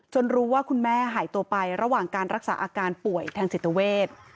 รู้ว่าคุณแม่หายตัวไประหว่างการรักษาอาการป่วยทางจิตเวท